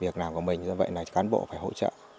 việc làm của mình do vậy là cán bộ phải hỗ trợ